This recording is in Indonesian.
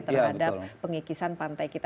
terhadap pengikisan pantai kita